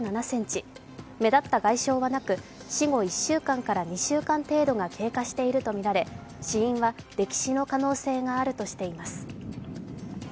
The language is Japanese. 目立った外傷はなく、死後１週間から２週間程度が経過しているとみられ死因は溺死の可能性があるとしています。